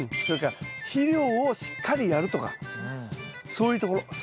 それから肥料をしっかりやるとかそういうところ。